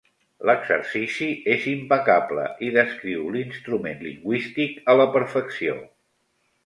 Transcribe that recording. L'exercici és impecable, i descriu l'instrument lingüístic a la perfecció.